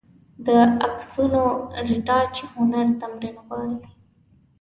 د عکسونو رېټاچ هنر تمرین غواړي.